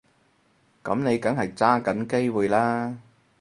噉你梗係揸緊機會啦